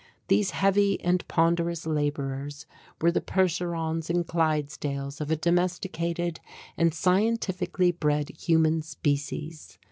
These heavy and ponderous labourers were the Percherons and Clydesdales of a domesticated and scientifically bred human species.